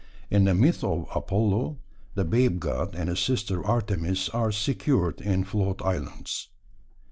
In the myth of Apollo, the Babe God and his sister Artemis are secured in float islands.